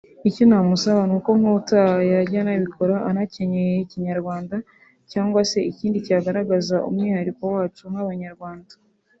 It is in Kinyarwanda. Icyo namusaba ni uko nk’ubutaha yajya anabikora anakenyeye Kinyarwanda cyangwa se ikindi cyagaragaza umwihariko wacu nk’Abanyarwanda